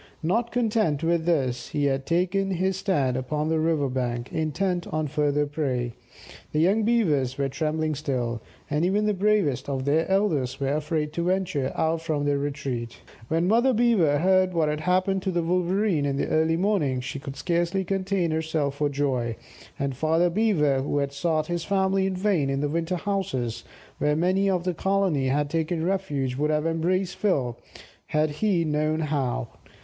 Not content with this, he had taken his stand upon the river bank, intent on further prey. The young Beavers were trembling still, and even the bravest of their elders were afraid to venture out from their retreat. When Mother Beaver heard what had happened to the Wolverene in the early morning, she could scarcely contain herself for joy, and Father Beaver, who had sought his family in vain in the winter houses, where many of the colony had taken refuge, would have embraced Phil had he known how.